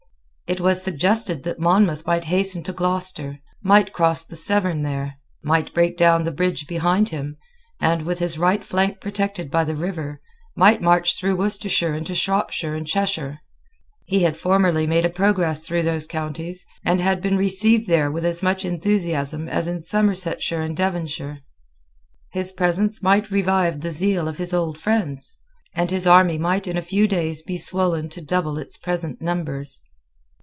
It was suggested that Monmouth might hasten to Gloucester, might cross the Severn there, might break down the bridge behind him, and, with his right flank protected by the river, might march through Worcestershire into Shropshire and Cheshire. He had formerly made a progress through those counties, and had been received there with as much enthusiasm as in Somersetshire and Devonshire. His presence might revive the zeal of his old friends; and his army might in a few days be swollen to double its present numbers.